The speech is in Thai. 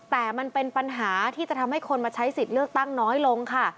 แต่มันเป็นปัญหาที่จะทำให้คนมาใช้สิทธิ์เลือกตั้งน้อยลงค่ะ